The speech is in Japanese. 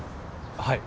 はい。